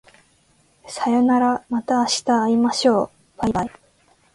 さようならまた明日会いましょう baibai